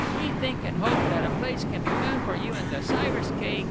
We think and hope that a place can be found for you in the Cyrus K.